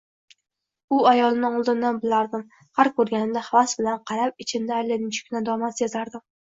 U ayolni oldindan bilardim, har ko‘rganimda havas bilan qarab, ichimda allanechuk nadomat sezardim